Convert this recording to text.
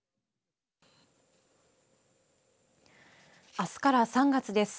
あすから３月です。